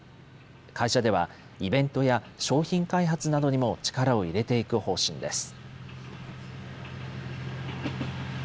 会社では、イベントや商品開発などにも力を入れていく方針です。